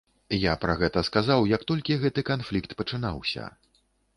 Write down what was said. Я пра гэта сказаў, як толькі гэты канфлікт пачынаўся.